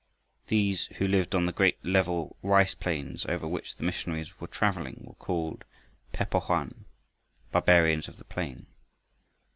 Those who lived on the great level rice plain over which the missionaries were traveling, were called Pe po hoan, "Barbarians of the plain."